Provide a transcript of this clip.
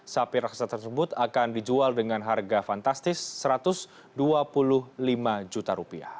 sapi raksa tersebut akan dijual dengan harga fantastis rp satu ratus dua puluh lima juta